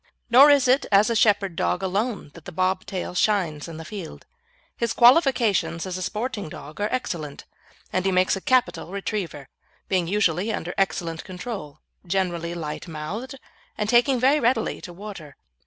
Nor is it as a shepherd dog alone that the bob tail shines in the field. His qualifications as a sporting dog are excellent, and he makes a capital retriever, being usually under excellent control, generally light mouthed, and taking very readily to water.